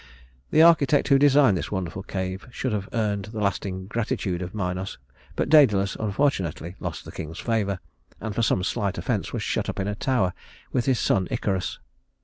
The architect who designed this wonderful cave should have earned the lasting gratitude of Minos; but Dædalus unfortunately lost the king's favor, and for some slight offense was shut up in a tower with his son Icarus.